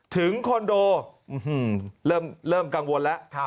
คอนโดเริ่มกังวลแล้ว